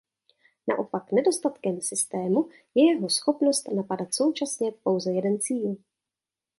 Naopak nedostatkem systému je jeho schopnost napadat současně pouze jeden cíl.